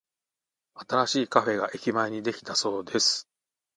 新しいカフェが駅前にできたそうです。